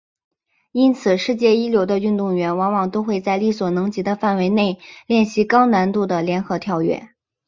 因此世界一流的运动员往往都会在力所能及的范围内练习高难度的联合跳跃。